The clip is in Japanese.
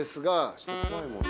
ちょっと怖いもんな。